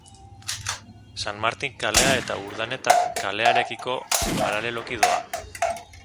San Martin kalea eta Urdaneta kalearekiko paraleloki doa.